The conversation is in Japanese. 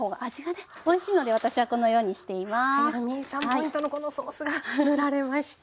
ポイントのこのソースが塗られました。